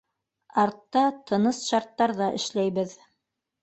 Артта, тыныс шарттарҙа, эшләйбеҙ.